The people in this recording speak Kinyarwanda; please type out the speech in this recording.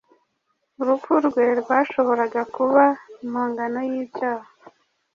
urupfu rwe rwashoboraga kuba impongano y ibyaha